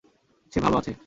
সে ভাল আছে।